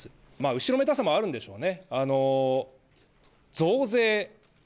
後ろめたさもあるんでしょうね。